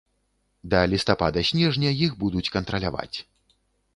Да лістапада-снежня іх будуць кантраляваць.